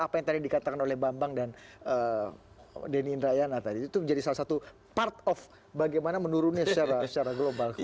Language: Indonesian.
apa yang tadi dikatakan oleh bambang dan denny indrayana tadi itu menjadi salah satu part of bagaimana menurunnya secara global